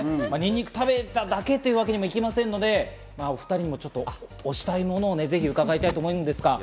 にんにくを食べただけというわけにもいきませんから、お２人に推したいものをぜひ伺いたいと思います。